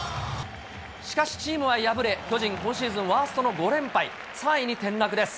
しかし、チームは敗れ、巨人、今シーズンワーストの５連敗、３位に転落です。